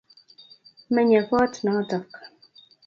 Menye kot notok